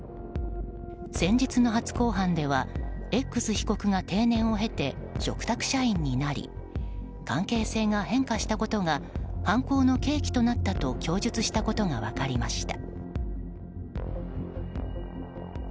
先日の初公判ではＸ被告が定年を経て嘱託社員になり関係性が変化したことが犯行の契機となったと供述したことが分かりました。